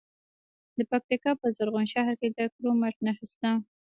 د پکتیکا په زرغون شهر کې د کرومایټ نښې شته.